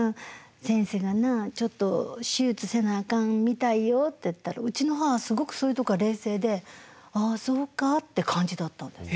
先生がなちょっと手術せなあかんみたいよ」って言ったらうちの母すごくそういうところは冷静で「ああそうか」って感じだったんです。